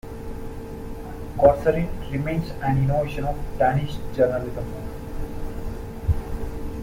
"Corsaren" remains an innovation of Danish journalism.